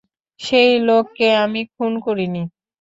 সেই লোককে আমি খুন করিনি।